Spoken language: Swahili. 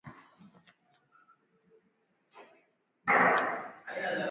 Wanyama wengine wanaoathirika